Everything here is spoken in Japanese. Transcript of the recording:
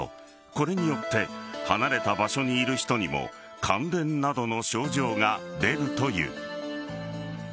これによって離れた場所にいる人にも感電などの症状が出るという。